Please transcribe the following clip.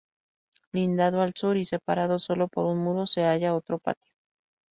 Lindando al sur y separado sólo por un muro se halla otro patio.